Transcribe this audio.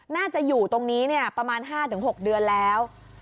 น่าจะอยู่ตรงนี้ประมาณ๕๖เดือนแล้ว